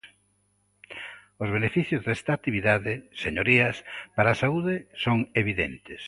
Os beneficios desta actividade, señorías, para a saúde son evidentes.